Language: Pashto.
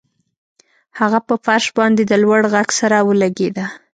هغه په فرش باندې د لوړ غږ سره ولګیده